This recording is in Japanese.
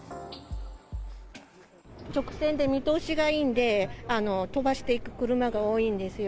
直線で見通しがいいんで、飛ばしていく車が多いんですよ。